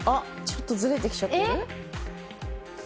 ちょっとずれてきちゃってる？